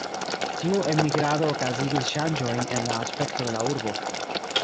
Tiu enmigrado okazigis ŝanĝojn en la aspekto de la urbo.